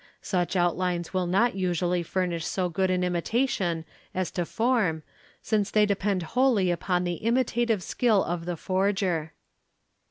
Such outlines will not usually furnish so good an imitation as to form, since they depend wholly upon the imitative skill of the forger.